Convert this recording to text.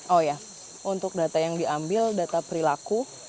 oya untuk data yang diambil data perilaku